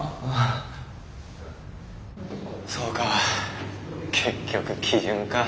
そうか結局基準か。